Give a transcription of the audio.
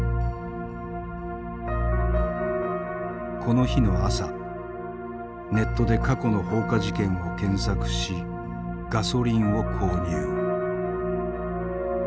この日の朝ネットで過去の放火事件を検索しガソリンを購入。